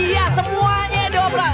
iya semuanya diobrol